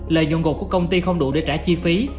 lợi dụng gột của công ty không đủ để trả chi phí